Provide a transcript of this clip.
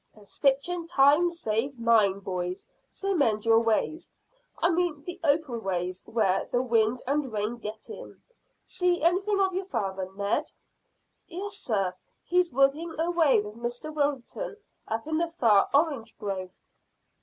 `A stitch in time saves nine,' boys, so mend your ways I mean the open ways where the wind and rain get in. See anything of your father, Ned?" "Yes, sir; he's working away with Mr Wilton up in the far orange grove."